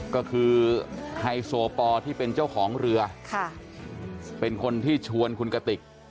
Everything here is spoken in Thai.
ก็คือไฮโซปอที่เป็นเจ้าของเรือเป็นคนที่ชวนคุณกติก